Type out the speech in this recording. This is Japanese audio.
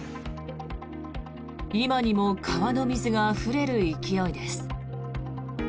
今にも川の水があふれる勢いです。